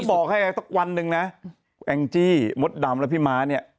บอกให้สักวันหนึ่งนะแองจี้มดดำและพี่ม้าเนี่ย